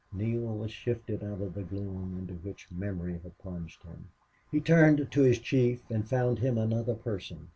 Neale was lifted out of the gloom into which memory had plunged him. He turned to his chief and found him another person.